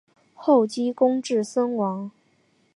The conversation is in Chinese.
后积功至森王。